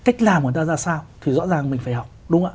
cách làm người ta ra sao thì rõ ràng mình phải học